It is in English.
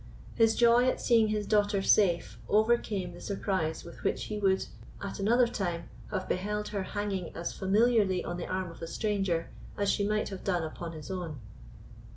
His joy at seeing his daughter safe overcame the surprise with which he would at another time have beheld her hanging as familiarly on the arm of a stranger as she might have done upon his own.